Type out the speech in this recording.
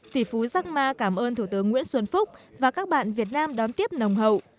tỷ phú giăng ma cảm ơn thủ tướng nguyễn xuân phúc và các bạn việt nam đón tiếp nồng hậu